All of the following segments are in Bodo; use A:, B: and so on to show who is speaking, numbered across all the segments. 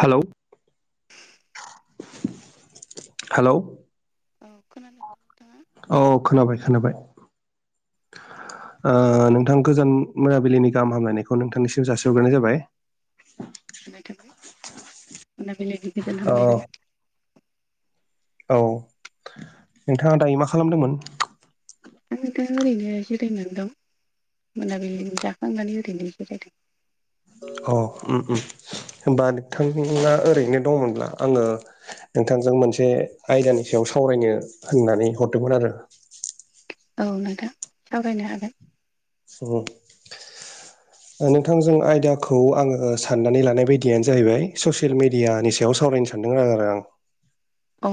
A: हेलौ। हेलौ।
B: औ खोनादों नोंथाङा
A: औ खोनाबाय खोनाबाय। ओ नोंथां गोजोन मोनाबिलिनि गाहाम हामलायनायखौ नोंथांनिसिम जासिहरग्रोनाय जाबाय।
B: [unintelligible] मोनाब्लिनि गोजोन
A: अ
B: हामब्लायनाय
A: औ नोंथाङा दायो मा खालामदोंमोन?
B: आङोथ' ओरैनो जिरायनानै दं मोनाबिलिनि जाखांनानै ओरैनो जिरायदों।
A: अ' उम उम होमबा नोंथांङा ओरैनो दंमोनब्ला आङो नोंथांजों मोनसे आयदानि सायाव सावरायनो होननानै हरदोंमोन आरो।
B: औ नोंथां सावरायनो हागोन।
A: [unintelligible] नोंथांजों आयदाखौ आङो साननानै लानाय बायदियानो जाहैबाय ससियेल मिडियानि सायाव सावरायनोसै। [unintelligible]
B: औ।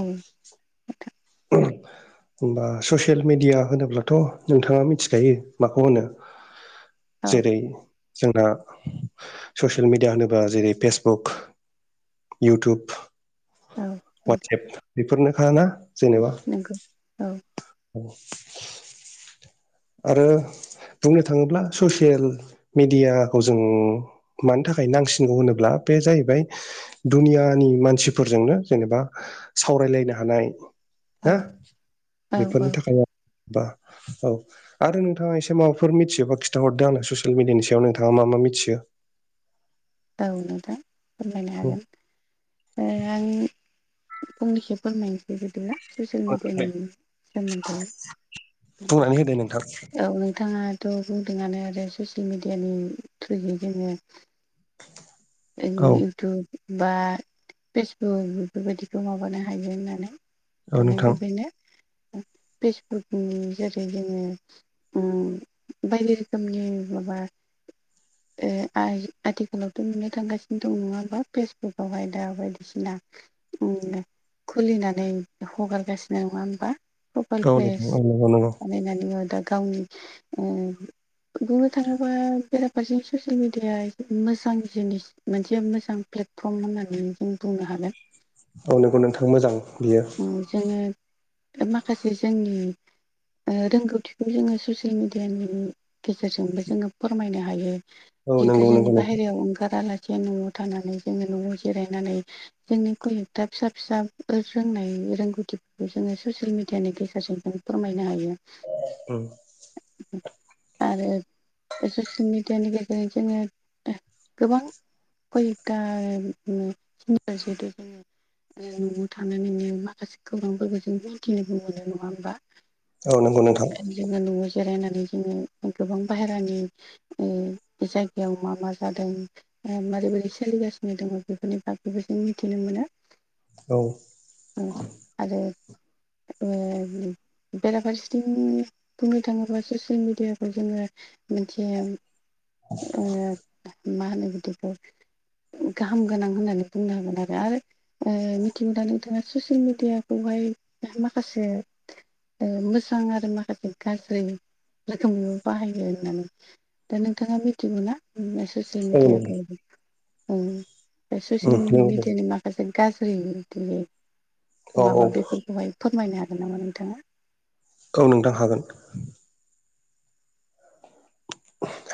A: [inaudible] होमबा ससियेल मिडिया होनोब्लाथ' नोंथाङा मिथिखायो माखौ होनो? जेरै
B: औ
A: जोंना ससियेल मिडिया होनोबा जेरै फेसबुक इउटुब
B: औ
A: वाटसएप बेफोरनोखा ना जेनेबा।
B: नंगौ औ।
A: औ। आरो बुंनो थाङोब्ला ससियेल मेडियाखौ जों मानो थाखाय नांसिनगौ होनोब्ला बे जाहैबाय दुनियानि मानसिफोरजोंनो जेनेबा सावरायलायनो हानाय।
B: औ
A: हो
B: औ औ
A: बेफोरनि थाखाय बा औ। आरो नोंथाङा एसे माबाफोर मिथियोबा खिथाहरदो आंनो ससियेल मिडियानि सायाव नोंथाङा मा मा मिथियो।
B: औ नोंथां फोरमायनो हागोन ओ आं फंनैसो फोरमायनोसै [unintelligible] ससियेल मिडियानि सोमोन्थै
A: बुंनानै होदो नोंथां
B: औ नोंथाङा थ' बुंदोंआनो आरो ससियेल मिडियानि थ्रुयै जोङो
A: औ
B: इउटुब बा फेसबुक बेबायदिखौ माबानो हायो होननानै
A: औ
B: दा
A: नोंथां
B: नोंगौ बेनो। फेसबुकनि जेरै जोङो। उम बायदि रोखोमनि माबा ओ आइ आथिखालावथ' नुनो थांगासिनो दं नङाबा फेसबुकआवहाय दा बायदिसिना उम दे खुलिनानै हगारगासिनो नङा होमबा? प्रपाइल
A: औ नोंथां
B: पेस
A: औ नंगौ नंगौ
B: बानायनानै दा गावनि ओ बुंनो थाङोबा बेराफारसे ससियेल मिडिया मोजां जिनिस मोनसे मोजां पेल्दफ्रम होननानै बुं बुंनो हागोन
A: औ नोंगौ नोंथां मोजां बियो
B: उम जोङो माखासे जोंनि ओ रोंगौथिखौ जोङो ससियेल मिडियानि गेजेरजोंबो जोङो फोरमायनो हायो
A: औ
B: खिन्थु
A: नंगौ
B: जों
A: नंगौ नोंथां
B: बाहेरायाव ओंखाराला जे न'आव थानानै जोङो न'आव जिरायनानै जोंनि खम एकथा फिसा फिसा रोंनाय रोंगौथिफोरखौ जोङो ससियेल मिडियानि गेजेरजों जों फोरमायनो हायो।
A: उम
B: आरो ससियेल मिडियानि गेजेरजों जोङो गोबां कयता [unintelligible] थानानैनो माखासे खौरांफोरखौ जों मिथिनोबो मोनो नङा होमबा!
A: औ नंगौ नोंथां।
B: जोङो न'आव जिरायनानै जोङो गोबां बायहेरानि ओ जायगायाव मा मा जादों ओ मारै मारै सोलिगासिनो दङ बेफोरनि बागैबो जों मिथिनो मोनो
A: औ
B: उम आरो ओ [unintelligible] बेराफारसेथिं बुंनो थाङोब्ला ससियेल मिडियाखौ जोङो मोनसे ओ मा होनो बिदिखौ गाहाम गोनां होननानै बुंनो हागोन आरो। आरो ओ दाना ससियेल मिडियाखौहाय माखासे ओ मोजां आरो माखासे गाज्रि रोखोमनिबो बाहायो होननानै दा नोंथाङा मिथिगौना ससियेल
A: औ नंगौ
B: मिडियाखौ ओं
A: उम
B: ससियेल
A: नंगौ
B: मिडियानि माखासे गाज्रि [unintelligible]
A: औ औ
B: माबा बेफोरखौहाय फोरमायनो हागोन नामा नोंथाङा?
A: औ नोंथां हागोन।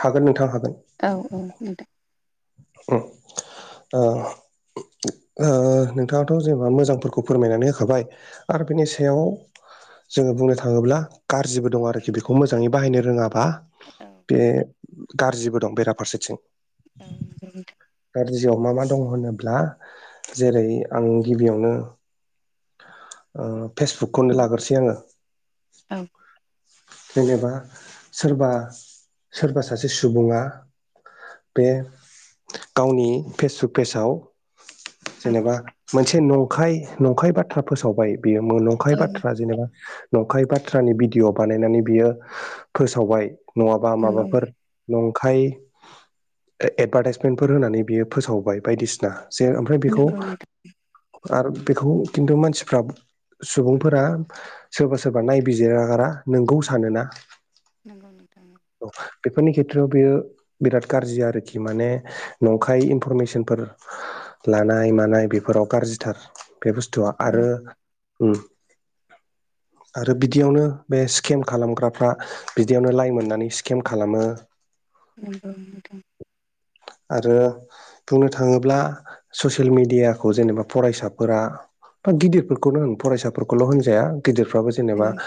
A: हागोन नोंथां हागोन।
B: औ औ नोंथां।
A: उम ओ ओ नोंथाङाथ' जेनेबा मोजांफोरखौ फोरमायनानै होखाबाय आरो बिनि सायाव जोङो बुंनो थाङोब्ला गाज्रिबो दङ आरोखि बेखौ मोजाङै बाहायनो रोङा बा
B: औ
A: बे गाज्रिबो दं बेराफारसेथिं।
B: [unintelligible]
A: गाज्रिआव मा मा दं होनोब्ला जेरै आं गिबियावनो ओ फेसबुकखौनो लाग्रोसै आङो
B: औ
A: जेनेबा सोरबा सोरबा सासे सुबुङा बे गावनि फेसबुक पेजआव जेनेबा मोनसे नंखाय नंखाय बाथ्रा फोसावबाय बियो माब्लाबा नंखाय
B: औ
A: बाथ्रा जेनेबा नंखाय बाथ्रानि भिडिअ' बानायनानै बियो फोसावबाय नङाबा
B: नंगौ
A: माबाफोर नंखाय एदभारटाइसमेन्टफोर होनानै बियो फोसावबाय बायदिसिना जे ओमफ्राय बेखौ
B: नंगौ नोंथां
A: आरो बेखौ खिन्थु मानसिफ्रा सुबुंफोरा सोरबा सोरबा नायबिजिरागारा नोंगौ सानोना
B: नंगौ नोंथां
A: औ बेफोरनि खेथ्रआव बेयो बिराद गाज्रि आरोखि माने नंखाय इनफरमेसन फोर लानाय मानाय बेफोराव गाज्रि थार बे बुस्थुआ
B: औ
A: आरो ओ आरो बिदियावनो बे स्केम खालामग्राफोरा बिदियावनो लाय मोननानै स्केम खालामो
B: नंगौ नोंथां
A: आरो बुंनो थाङोब्ला ससियेल मेडियाखौ जेनेबा फरायसाफोरा बा गिदिरफोरखौनो होन फरायसाफोरखौल' होनजाया गिदिरफ्राबो जेनेबा
B: नंगौ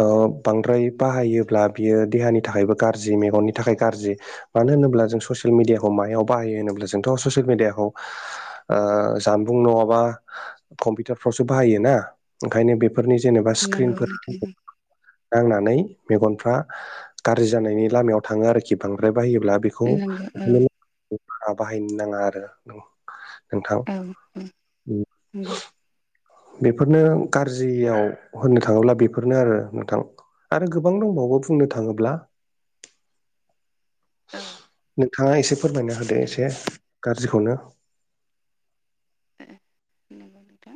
A: ओ बांद्राय बाहायोब्ला बियो देहानि थाखायबो गाज्रि मेगननि थाखाय गाज्रि मानो होनोब्ला जों ससियेल मिडियाखौ मायाव बाहायो होनोब्ला जोंथ' ससियेल मिडियाखौ ओ जानबुं नङाबा कम्पिउटार फोरावसो बाहायोना ओंखायनो बे फोरनि जेनेबा
B: नंगौ
A: स्क्रिनफोर
B: नोंथां
A: नांनानै मेगनफ्रा गाज्रि जानायनि लामायाव थाङो आरोखि बांद्राय बाहायोब्ला बे बेखौ
B: नंगौ औ
A: बारा बाहायनो नाङा आरो ओ नोंथां
B: ओ औ नंगौ
A: बेफोरनो गाज्रियाव होननो थाङोब्ला बेफोरनो आरो नोंथां आरो गोबां दंबावो बुंनो थाङोब्ला
B: औ
A: नोंथाङा एसे फोरमायना होदो एसे गाज्रिखौनो
B: औ नंगौ नोंथां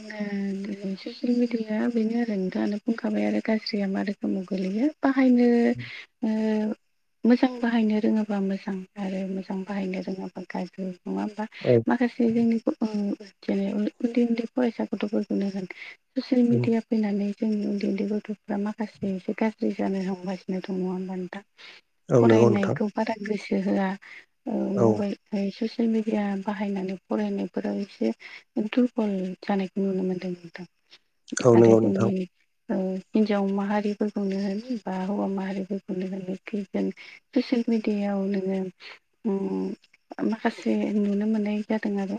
B: जोङो दिनै ससियेल मिडियाया बेनो आरो नोंथाङानो बुंखाबाय आरो गाज्रिया मा रोखोमाव गोलैयो बाहायनो ओ मोजां बाहायनो रोङोबा मोजां आरो मोजां बाहायनो रोङाबा गाज्रि नङा होमबा
A: औ
B: माखासे जे जों ओ जेन' उन्दै उन्दै फरायसा गथ'फोरखौनो होन ससियेल मिडिया फैनानै जोंनि उन्दै उन्दै गथ'फ्रा माखासे एसे गाज्रि जानो हमगासिनो दङ नङा होमबा नोंथां
A: लांदां
B: फरायनायखौ बारा गोसो होआ ओ
A: औ
B: मबाइल ओमफाय ससियेल मिडिया बाहायनानै फरायनायफोराव एसे दुरबल जानायखौ नुनो मोनदों नोंथां
A: औ
B: आरो
A: नंगौ
B: जोंनि
A: नोंथां
B: ओ हिन्जाव माहारिफोरखौनो होन बा हौवा माहारिफोरखौनो होन एखे जोंनि ससियेल मिेडियायाव नोङो ओम माखासे नुनो मोनै जादों आरो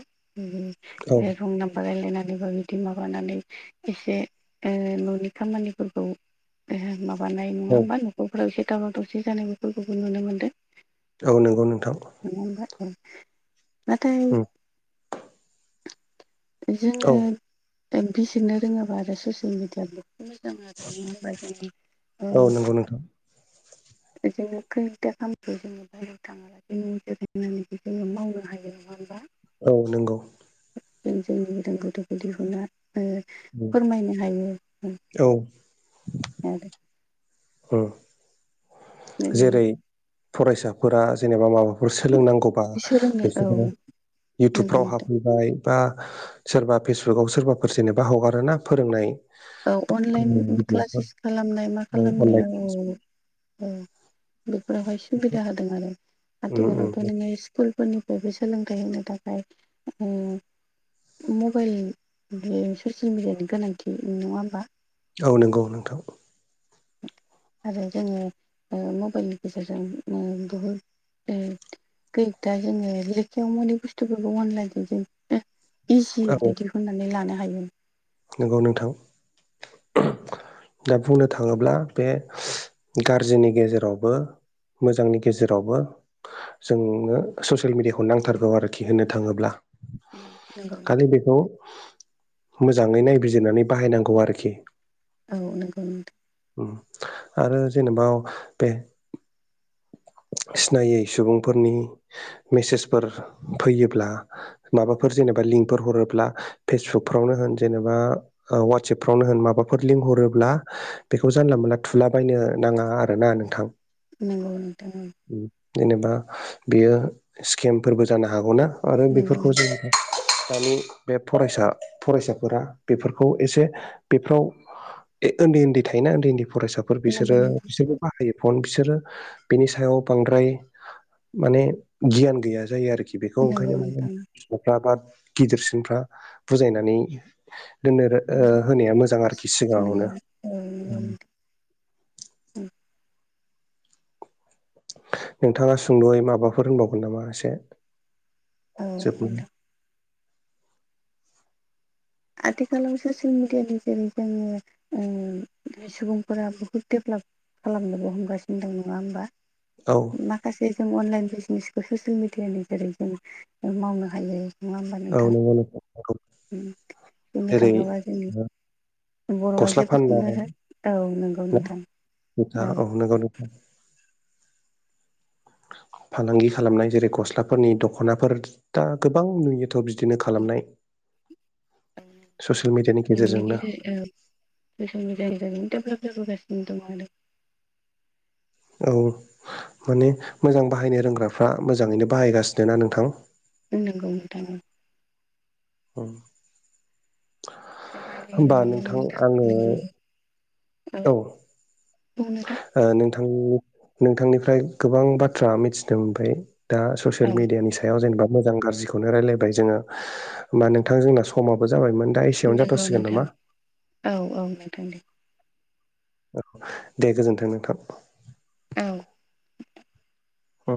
A: औ
B: ओ रं नाम्बार रायलायनानै बा बिदि माबानानै एसे ओ न'नि खामानि फोरखौ ओहो माबानाय नङा
A: औ
B: होमबा न'खरफोराव एसे दावराव दावसि जानाय बेफोरखौबो नुनो मोनदों।
A: औ नंगौ नोंथां।
B: नगौ नोंथां ओं नाथाय
A: औ
B: जोङो बिसिरनो रोङोबा आरो ससियेल मिडियाखौ मोजां आरो [unintelligible] ओ
A: औ नंगौ नोंथां।
B: जोङो खैथा खामखौ जोङो बे नोंथाङाव [unintelligible] जोङो मावनो हायो नङा होमबा?
A: औ नंगौ।
B: जों जोंनि रोंगौथि खौ दिहुना ओ फोरमायनो हायो।
A: औ।
B: [unintelligible]
A: ओं। जेरै फरायसाफोरा जेनेबा माबा फोर सोलोंनांगौबा
B: सोलोंनो औ
A: बिसोरो
B: नंगौ
A: इउटुबफ्राव
B: नोंथां
A: हाब ओमफाय बा सोरबा फेसबुकाव सोरबाफोर जेनेबा हगारोना फोरोंनाय
B: औ
A: फोरोंनाय
B: अनलाइन
A: भिडिअफोर
B: क्लासेस खालामनाय मा
A: औ
B: खालामनाय
A: अनलाइन
B: औ
A: क्लास
B: औ औ बेफोरावहाय सुबिदा होदों आरो
A: उम
B: आथिखालावथ'
A: उम
B: नोङो स्कुलफोरनिफ्रायबो सोलोंथाइ होनो थाखाय ओ मबाइल बे ससियेल मिडियानि गोनांथि नङा होमबा?
A: औ नंगौ नोंथां।
B: आरो जोङो ओ मबाइलनि गेजेरजों ओ बहुद ओ खैएकथा‌ जोङो लेखायाव मोनि बुस्थुफोरखो अनलाइनजों जों
A: औ
B: इजियैनो दिहुननानै लानो हायो
A: नंगौ नोंथां। दा बुंनो थाङोब्ला बे गाज्रिनि गेजेरावबो मोजांनि गेजेरावबो जोंनो ससियेल मिडियाखौ नांथारगौ आरो खि होनो थाङोब्ला
B: नंगौ
A: खालि
B: नोंथां
A: बेखौ जाङै नायबिजिरनानै बाहायनांगौ आरोखि
B: औ नंगौ नोंथां।
A: ओम आरो जेनेबा बे सिनायै सुबुंफोरनि मेसेजफोर फैयोब्ला माबाफोर जेनेबा लिंकफोर हरोब्ला फेसबुकफोरावनो होन जेनेबा ओ वाटसएपफ्रावनो होन माबाफोर लिंक हरोब्ला बेखौ जानला मोनला थुलाबायनो नाङा आरोना नोंथां
B: नंगौ नोंथां ओं।
A: ओम जेनेबा बेयो स्केमफोरबो जानो हागौना आरो
B: नंगौ
A: बेफोरखौ जों
B: नोंथां
A: [unintelligible] दानि बे फरायसा फरायसा फोरा बेफोरखौ एसे बेफ्राव ओन्दै-ओन्दै थायोना ओन्दै-ओन्दै फरायसा फोर बिसोरो
B: नंगौ
A: बिसोरबो बाहायो फन बिसोरो बिनि सायाव बांद्राय माने गियान गैया जायो आरोखि बेखौ
B: नोंथां नंगौ
A: ओंखायनो
B: नोंथां नंगौ
A: फिफाफ्रा बा गिदिरसिनफ्रा बुजायनानै दोननोरो ओ होनाया मोजां आरोखि
B: औ नंगौ
A: सिगाङावनो
B: नोंथां
A: नोंथाङा सुंद'यै माबाफोर होनबावगोन नामा एसे?
B: ओ
A: जोब
B: नोंथां आथिखालाव ससियेल मिडियानि जेरै जोङो ओ सुबुंफोरा बहुद डेभलप खालामनोबो हमगासिनो दं नङा होमबा?
A: औ।
B: माखासे जों अनलाइन बिजनेसखौ ससियेल मिडियानि जेरै जों मावनो हायो। नङा होमबा
A: औ
B: नोंथां?
A: नंगौ नोंथां
B: ओम बुंनो
A: जेरै
B: थाङोबा जोंनि बर'
A: गस्ला
B: आइजोफोरखौनो
A: फाननाय
B: औ नंगौ नोंथां औ
A: [unintelligible] [inaudible] फालांगि खालामनाय जेरै गस्लाफोरनि दख'नाफोर दा गोबां नुयोथ' बि बिदिनो खालामनाय।
B: [unintelligible]
A: ससियेल मिडियानि
B: ओ
A: गेजेरजोंनो
B: [unintelligible] डेभेलप जाबोगासिनो दं आरो।
A: औ माने मोजां बाहायनो रोंग्राफ्रा मोजाङैनो बाहायगासिनो ना नोंथां?
B: औ नंगौ नोंथां औ।
A: औ। आङो औ
B: [unintelligible]
A: ओ नोंथां नोंथांनिफ्राइ गोबां बाथ्रा मिथिनो मोनबाय। दा ससियेल
B: औ
A: मिडियानि सा याव जेनबा मोजां गाज्रिखौनो रायलायबाय जोङो होमबा नोंथां जोंना समाबो जाबायमोन दा एसेयावनो
B: नंगौ
A: जाथ'सिगोन
B: नोंथां
A: नामा
B: औ औ नोंथां दे।
A: औ दे गोजोन्थों नोंथां।
B: औ।
A: ओ।